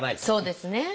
そうですね。